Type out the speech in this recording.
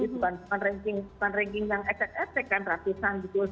jadi bukan ranking yang ecek ecek kan ratusan gitu